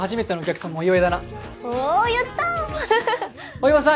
大岩さん！